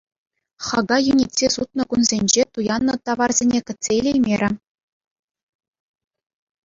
Хака йӳнетсе сутнӑ кунсенче туяннӑ таварсене кӗтсе илеймерӗ.